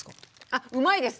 あっうまいです。